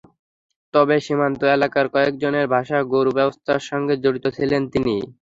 তবে সীমান্ত এলাকার কয়েকজনের ভাষ্য, গরু ব্যবসার সঙ্গে জড়িত ছিলেন তিনি।